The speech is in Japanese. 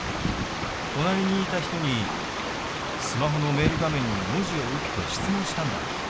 隣にいた人にスマホのメール画面に文字を打って質問したんだ。